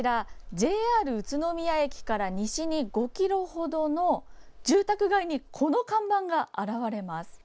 ＪＲ宇都宮駅から西に５ｋｍほどの住宅街に、この看板が現れます。